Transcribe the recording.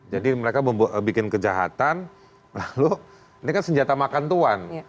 jadi mereka bikin kejahatan lalu ini kan senjata makan tuan